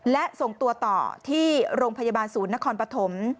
และส่งตัวต่อที่โรงพยาบาลศูนย์นครปฐม